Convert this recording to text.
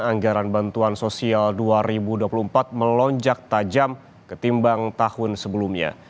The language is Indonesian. anggaran bantuan sosial dua ribu dua puluh empat melonjak tajam ketimbang tahun sebelumnya